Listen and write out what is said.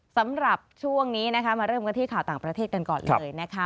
สำหรับช่วงนี้นะคะมาเริ่มกันที่ข่าวต่างประเทศกันก่อนเลยนะคะ